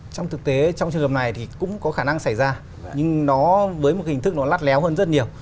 trong thực tế trong trường hợp này thì cũng có khả năng xảy ra nhưng nó với một hình thức nó lắt léo hơn rất nhiều